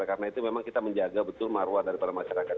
karena itu memang kita menjaga betul maruah daripada masyarakat